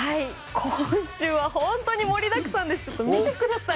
今週は本当に盛りだくさんで見てください。